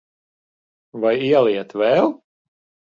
Vai ieliet vēl?